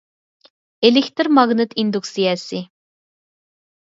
ئېلېكتىر ماگنىت ئىندۇكسىيەسى